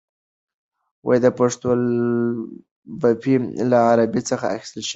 پښتو الفبې له عربي څخه اخیستل شوې ده.